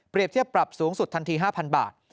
เปรียบเทียบปรับสูงสุดทันที๕๐๐๐บาท